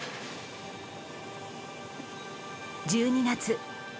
１２月。